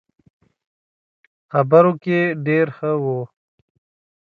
خبرو کې ډېر ښه وو.